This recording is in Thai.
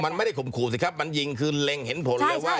มันไม่ได้ข่มขู่สิครับมันยิงคือเล็งเห็นผลเลยว่า